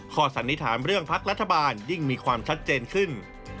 สันนิษฐานเรื่องพักรัฐบาลยิ่งมีความชัดเจนขึ้น